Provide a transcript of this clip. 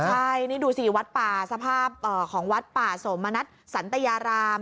ใช่นี่ดูสิวัดป่าสภาพของวัดป่าสมณัฐสันตยาราม